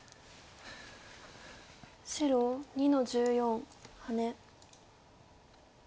白２の十四ハネ。